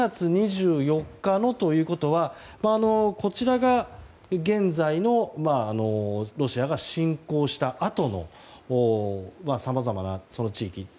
２月２４日のということはこちらが現在のロシアが侵攻したあとのさまざまな地域。